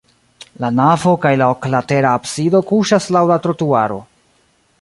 La navo kaj la oklatera absido kuŝas laŭ la trotuaro.